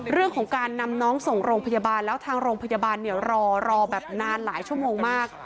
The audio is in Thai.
เรื่องของการนำน้องส่งโรงพยาบาลแล้วทางโรงพยาบาลเนี่ยรอแบบนานหลายชั่วโมงมาก